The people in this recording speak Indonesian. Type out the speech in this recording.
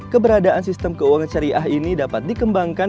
keberadaan sistem keuangan syariah ini dapat dikembangkan